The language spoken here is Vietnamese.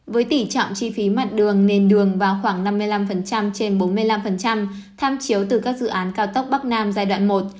với tỉ trọng chi phí mặt đường nền đường vào khoảng năm mươi năm trên bốn mươi năm tham chiếu từ các dự án cao tốc bắc nam giai đoạn một